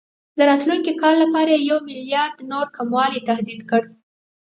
د راتلونکي کال لپاره یې یو میلیارډ نور کموالي تهدید کړ.